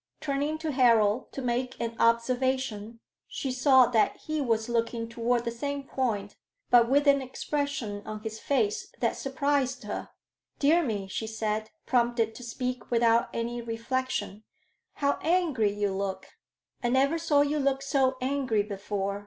Turning to Harold, to make an observation, she saw that he was looking toward the same point, but with an expression on his face that surprised her. "Dear me," she said, prompted to speak without any reflection; " how angry you look! I never saw you look so angry before.